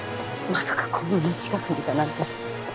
まさかこんなに近くにいたなんて。